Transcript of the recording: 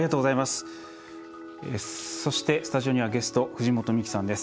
そして、スタジオにはゲスト、藤本美貴さんです。